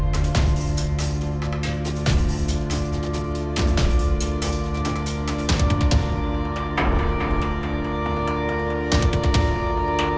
kayak suara anak kecil manggil ibu